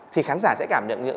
thì khán giả sẽ cảm nhận